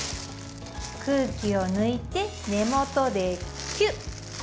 空気を抜いて根元でキュッ。